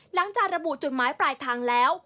หลังจากระบุจุดหมายปลายทางแล้ว